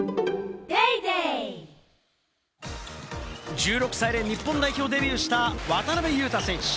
１６歳で日本代表デビューした渡邊雄太選手。